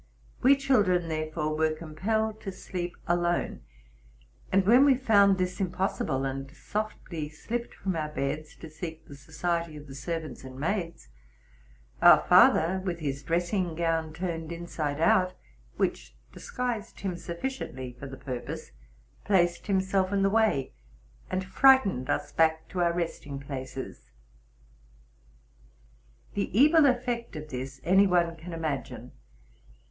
We children, therefore, were compelled to sleep alone; and when we found this impossible, and seftly slipped from our beds, to seek the society of the ser vants and maids, our father, with his dressing gown turned inside out, which disguised him sufficiently for the purpose, placed himself in the way, and frightened us back to our resting places. The evil effeet of this any one may imagine.